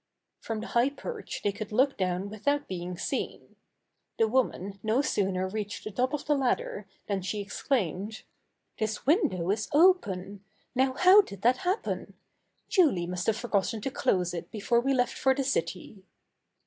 From the high perch they could look down without being seen. The woman no sooner reached the top of the ladder then she ex claimed: "This window is open! Now how did that happen? Julie must have forgotten to close it before we left for the city."